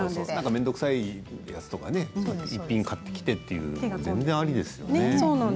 面倒くさいものとか一品買ってきてということは全然ありですよね。